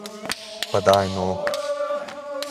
Pa, daj no.